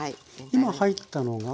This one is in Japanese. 今入ったのが。